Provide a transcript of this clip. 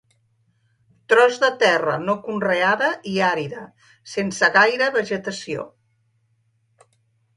Tros de terra no conreada i àrida, sense gaire vegetació.